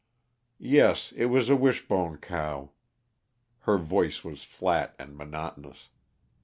"Yes. It was a Wishbone cow." Her voice was flat and monotonous.